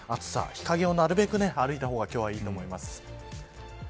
日陰をなるべく歩いた方が今日はいいと思います。